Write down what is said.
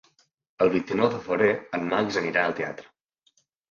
El vint-i-nou de febrer en Max anirà al teatre.